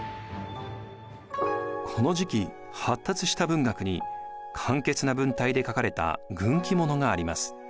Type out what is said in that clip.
この時期発達した文学に簡潔な文体で書かれた軍記物があります。